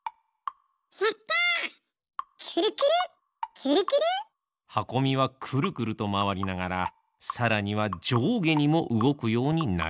くるくる！はこみはくるくるとまわりながらさらにはじょうげにもうごくようになりました。